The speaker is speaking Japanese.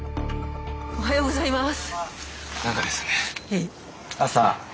おはようございます。